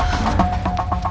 aku mau ke rumah